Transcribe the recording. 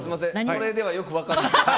これではよく分からないです。